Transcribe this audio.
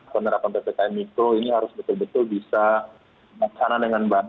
penerapan ppkm mikro ini harus betul betul bisa laksana dengan baik